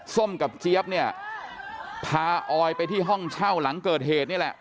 ส้มกับเจี๊ยบเนี่ยพาออยไปที่ห้องเช่าหลังเกิดเหตุนี่แหละ